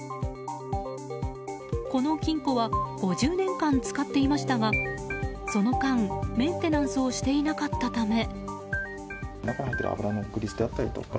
この金庫は５０年間使っていましたがその間、メンテナンスをしていなかったため。